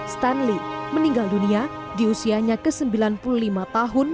stanley meninggal dunia di usianya ke sembilan puluh lima tahun